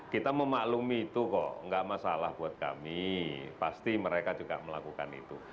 kita memaklumi itu kok nggak masalah buat kami pasti mereka juga melakukan itu